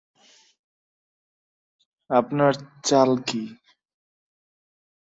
আপনার চাল কী?